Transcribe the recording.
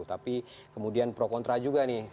tapi kemudian pro kontra juga nih